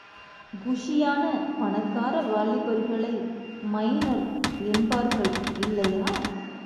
குஷியான பணக்கார வாலிபர்களை மைனர் என்பார்கள் இல்லையா?